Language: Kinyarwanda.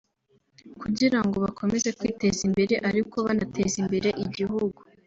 kugira ngo bakomeze kwiteza imbere ariko banateza imbere igihugu